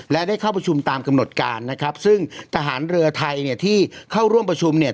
และได้เข้าประชุมตามกำหนดการนะครับซึ่งทหารเรือไทยเนี่ยที่เข้าร่วมประชุมเนี่ย